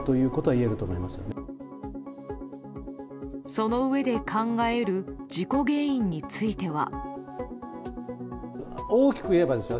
このうえで考え得る事故原因については。